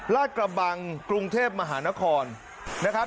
กระบังกรุงเทพมหานครนะครับ